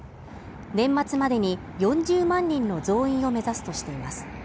年末までに４０万人の増員を目指すとしています。